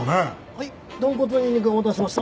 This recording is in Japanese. はい豚骨にんにくお待たせしました。